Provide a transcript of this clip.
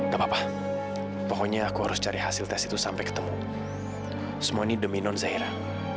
gapapa pokoknya aku harus cari hasil tes itu sampai ketemu semua ini demi non zairah